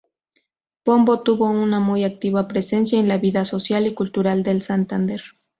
Pombo tuvo una muy activa presencia en la vida social y cultural de Santander.